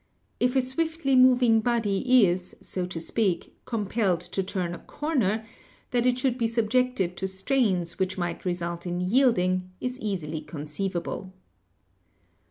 If a swiftly moving body is, so to speak, compelled to turn a corner, that it should be subjected to strains which might result in yielding, is easily conceivable.